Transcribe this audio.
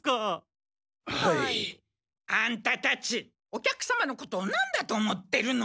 アンタたちお客様のことをなんだと思ってるの！